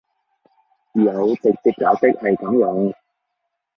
有直接解釋係噉用